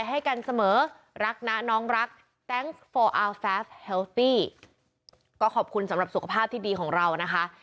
ให้กันเสมอรักนะน้องรักแก๊งโฟอาวแฟสเฮลตี้ก็ขอบคุณสำหรับสุขภาพที่ดีของเรานะคะ